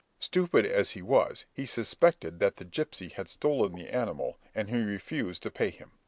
Stupid as he was, he suspected that the gipsy had stolen the animal, and he refused to pay him.